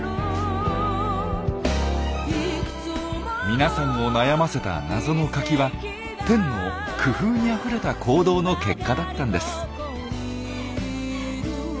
皆さんを悩ませた謎のカキはテンの工夫にあふれた行動の結果だったんです。